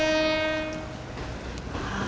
ああ。